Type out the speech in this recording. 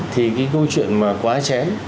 thì cái câu chuyện mà quá chén